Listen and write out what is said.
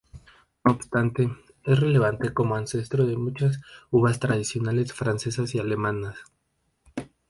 No obstante, es relevante como ancestro de muchas uvas tradicionales francesas y alemanas.